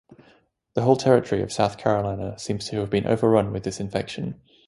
The whole territory of South Carolina seems to have been overrun with this infection.